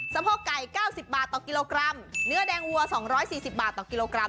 สะโพกไก่เก้าสิบบาทต่อกิโลกรัมเนื้อแดงวัวสองร้อยสี่สิบบาทต่อกิโลกรัม